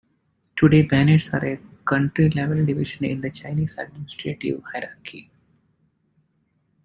Today, banners are a county level division in the Chinese administrative hierarchy.